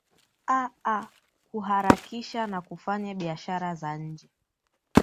aa kuharakisha na kufanya biashara za nje